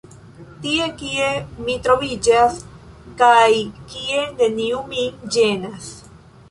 Tie, kie mi troviĝas kaj kie neniu min ĝenas.